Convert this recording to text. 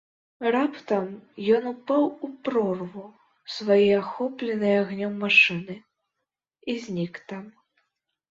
Раптам ён упаў у прорву свае ахопленай агнём машыны і знік там.